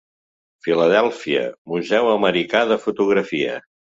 Filadèlfia: Museu Americà de Fotografia.